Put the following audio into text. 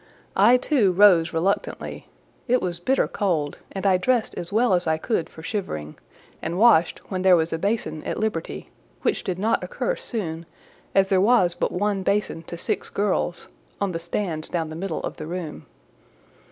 I too rose reluctantly; it was bitter cold, and I dressed as well as I could for shivering, and washed when there was a basin at liberty, which did not occur soon, as there was but one basin to six girls, on the stands down the middle of the room.